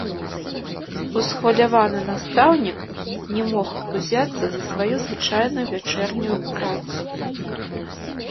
Усхваляваны настаўнік не мог узяцца за сваю звычайную вячэрнюю працу.